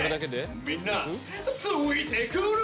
みんなついてくるんだぜ！